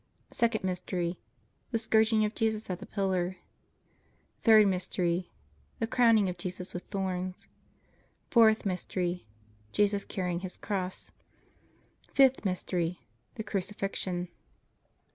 Second Mystery. The Scourging of Jesus at the Pillar. Third Mystery. The Crowning of Jesus with Thorns. Fourth Mystery. Jesus Carrying His Cross. Fifth Mystery. The Crucifixion.